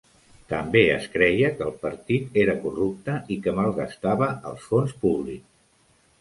També es creia que el partir era corrupte i que malgastava els fons públics.